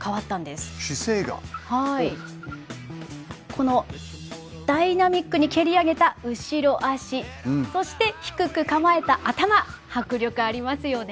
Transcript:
このダイナミックに蹴り上げた後ろ足そして低く構えた頭迫力ありますよね！